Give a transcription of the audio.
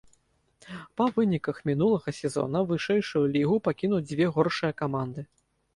Па выніках мінулага сезона вышэйшую лігу пакінуць дзве горшыя каманды.